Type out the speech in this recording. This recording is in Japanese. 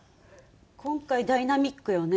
今回ダイナミックよね？